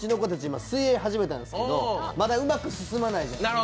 今、水泳始めたんですけどまだうまく進まないんですよ。